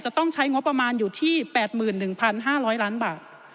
ต้องใช้งบประมาณอยู่ที่๘๑๕๐๐ล้านบาท